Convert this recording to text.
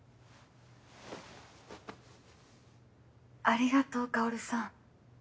ありがとうカオルさん。